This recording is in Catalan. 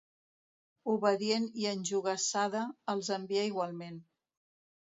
Obedient i enjogassada, els envia igualment.